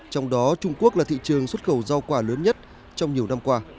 trong đó trung quốc là thị trường xuất khẩu rau quả lớn nhất trong nhiều năm qua